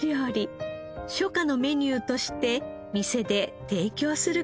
初夏のメニューとして店で提供する事になりました。